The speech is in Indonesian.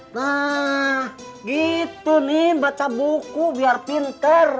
nah gitu nih baca buku biar pinter